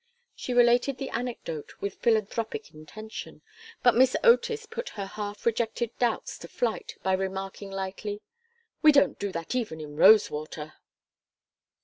She related the anecdote with philanthropic intention, but Miss Otis put her half rejected doubts to flight by remarking, lightly: "We don't do that even in Rosewater."